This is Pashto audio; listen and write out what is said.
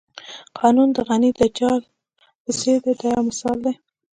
قانون د غڼې د جال په څېر دی دا یو مثال دی.